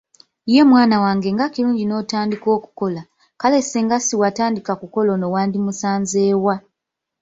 Ye mwana wange nga kirungi n'otandika okukola, kale singa siwatandika kukola ono wandimusanze wa?